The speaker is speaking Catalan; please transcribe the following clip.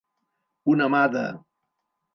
Una mà de.